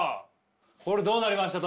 これどうなりました？